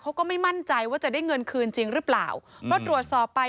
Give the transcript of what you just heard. ก็ไม่มั่นใจว่าจะได้เงินคืนจริงหรือเปล่าเพราะตรวจสอบไป